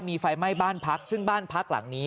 มีไฟไหม้บ้านพักซึ่งบ้านพักหลังนี้